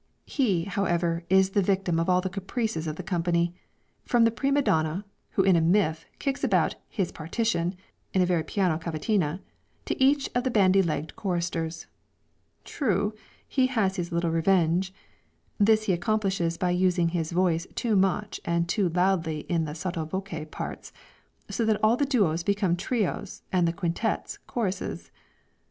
He, however, is the victim of all the caprices of the company, from the prima donna, who in a miff kicks about his partition in a very piano cavatina, to each of the bandy legged choristers. True, he has his little revenge. This he accomplishes by using his voice too much and too loudly in the sotto voce parts, so that all the duos become trios and the quintettes, choruses.